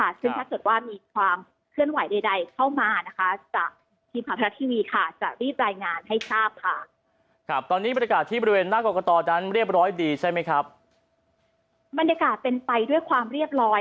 ซึ่งถ้าเกิดว่ามีความเคลื่อนไหวใดเข้ามาจากทีมขาวภัตราทีวีจะรีบรายงานให้ทราบ